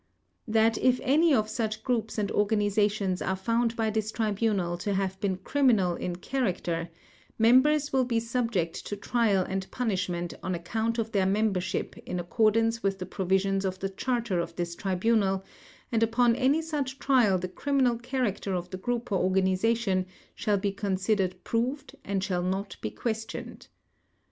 THAT if any of such groups and organizations are found by this Tribunal to have been criminal in character members will be subject to trial and punishment on account of their membership in accordance with the provisions of the Charter of this Tribunal and upon any such trial the criminal character of the group or organization shall be considered proved and shall not be questioned.